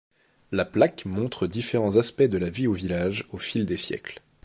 La plaque montre différents aspects de la vie au village au fil des siècles.